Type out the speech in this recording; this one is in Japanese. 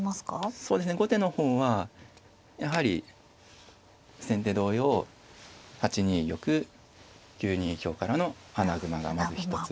そうですね後手の方はやはり先手同様８二玉９二香からの穴熊がまず一つ。